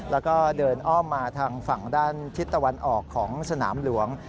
แล้วก็เดินอ้อมมาทางฝั่งด้านทิศตะวันออกของสนามหลวง